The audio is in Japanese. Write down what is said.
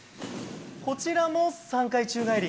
こちらも３回宙返り。